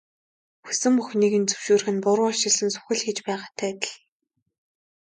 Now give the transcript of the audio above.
Хүссэн бүхнийг нь зөвшөөрөх нь буруу ишилсэн сүх л хийж байгаатай адил.